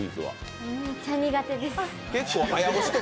めっちゃ苦手です。